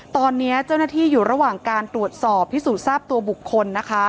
ตอนนี้เจ้าหน้าที่อยู่ระหว่างการตรวจสอบพิสูจน์ทราบตัวบุคคลนะคะ